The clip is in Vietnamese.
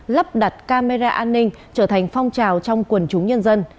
lắp đặt camera an ninh trở thành phong trào trong quần chúng nhân dân